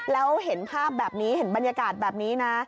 แล้วเห็นภาพแบบนี้เห็นบรรยากาศแบบนี้นะ